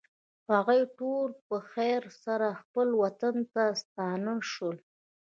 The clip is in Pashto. هغوی ټول په خیر سره خپل وطن ته ستانه شول.